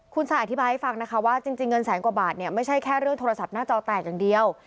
คุณซายอธิบายให้ฟังนะคะว่าจริงเงินแสนกว่าบาทเนี่ยไม่ใช่แค่เรื่องโทรศัพท์หน้าจอแตกอย่างเดียว